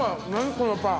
このパン。